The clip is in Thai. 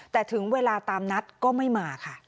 แต่ถึงเวลาตามนัดก็ไม่มาค่ะ